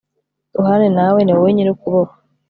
duhorane nawe, ni wowe nyir'ukuboko